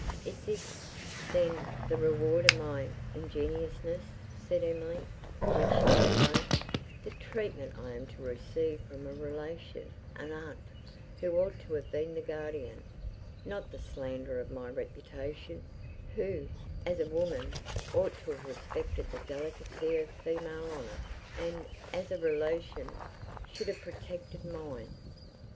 "Is this, then, the reward of my ingenuousness?" said Emily, when she was alone; "the treatment I am to receive from a relation—an aunt—who ought to have been the guardian, not the slanderer of my reputation,—who, as a woman, ought to have respected the delicacy of female honour, and, as a relation, should have protected mine!